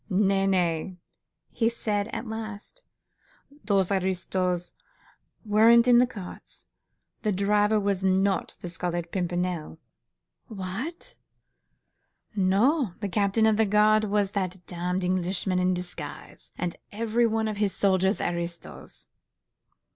"Nay, nay!" he said at last, "those aristos weren't in the cart; the driver was not the Scarlet Pimpernel!" "What?" "No! The captain of the guard was that damned Englishman in disguise, and every one of his soldiers aristos!"